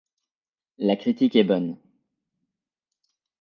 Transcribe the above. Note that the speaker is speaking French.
La critique est bonne.